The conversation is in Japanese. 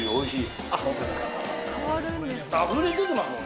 おかしい！